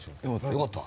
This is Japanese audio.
よかった？